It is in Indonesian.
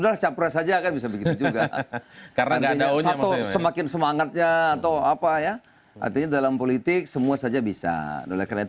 oleh karena itu kita tidak berpikir sama sekali